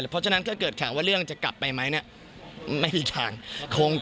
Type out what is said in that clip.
เพราะฉะนั้นเวลาเกิดค้างว่าเรื่องจะกลับไปไหมไม่มีค้าง